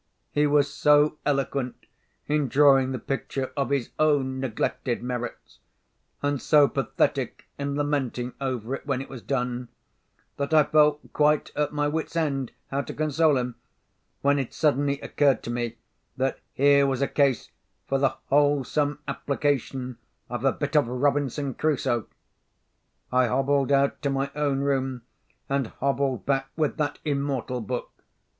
He was so eloquent in drawing the picture of his own neglected merits, and so pathetic in lamenting over it when it was done, that I felt quite at my wits' end how to console him, when it suddenly occurred to me that here was a case for the wholesome application of a bit of Robinson Crusoe. I hobbled out to my own room, and hobbled back with that immortal book.